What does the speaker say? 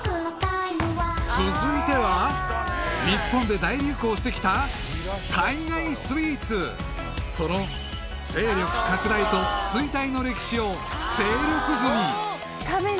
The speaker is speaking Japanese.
［続いては日本で大流行してきた海外スイーツ］［その勢力拡大と衰退の歴史を勢力図に］